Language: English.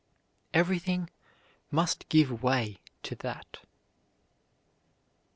Everything must give way to that.